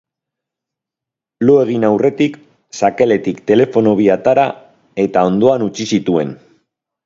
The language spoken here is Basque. Lo egin aurretik, sakeletik telefono bi atera eta ondoan utzi zituen.